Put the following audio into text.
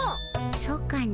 そうかの。